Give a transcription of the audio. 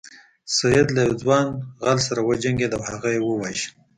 سید له یو ځوان غل سره وجنګیده او هغه یې وواژه.